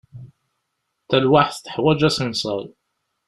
Talwaḥt teḥwaǧ aṣenṣal.